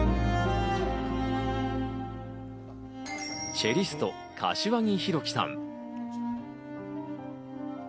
チェリスト・柏木広樹さん。